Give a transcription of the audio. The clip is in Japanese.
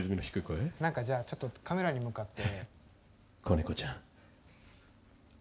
何か、じゃあカメラに向かって。